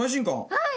はい！